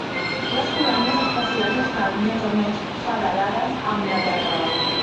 Les colònies espacials estan més o menys federades amb la Terra.